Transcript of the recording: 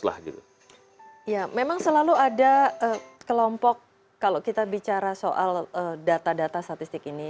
ya memang selalu ada kelompok kalau kita bicara soal data data statistik ini